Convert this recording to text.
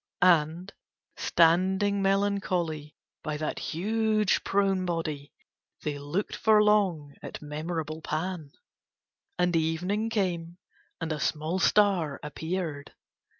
And, standing melancholy by that huge prone body, they looked for long at memorable Pan. And evening came and a small star appeared.